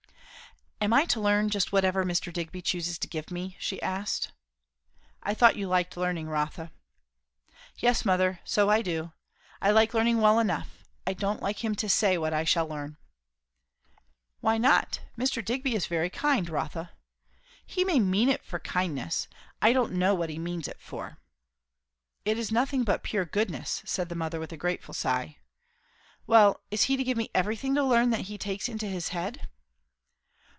"Am I to learn just whatever Mr. Digby chooses to give me?" she asked. "I thought you liked learning, Rotha?" "Yes, mother; so I do. I like learning well enough; I don't like him to say what I shall learn." "Why not? Mr. Digby is very kind, Rotha!" "He may mean it for kindness. I don't know what he means it for." "It is nothing but pure goodness," said the mother with a grateful sigh. "Well, is he to give me everything to learn that he takes into his head?"